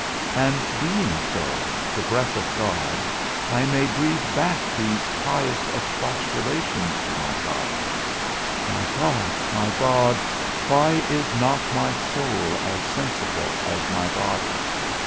And being so, the breath of God, I may breathe back these pious expostulations to my God: My God, my God, why is not my soul as sensible as my body?